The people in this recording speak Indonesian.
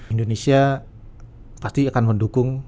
indonesia pasti akan mendukung